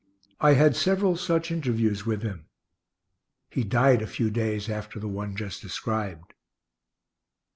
I had several such interviews with him. He died a few days after the one just described.